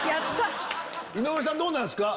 井上さんどうなんすか？